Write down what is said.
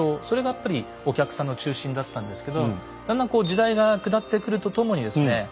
それがやっぱりお客さんの中心だったんですけどだんだんこう時代が下ってくるとともにですね